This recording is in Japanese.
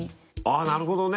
あなるほどね！